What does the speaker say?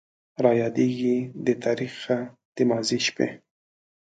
رايادېږي دې تاريخه د ماضي شپې